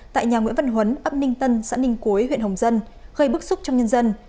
tại nhà nguyễn văn huấn ấp ninh tân xã ninh quế huyện hồng dân gây bức xúc trong nhân dân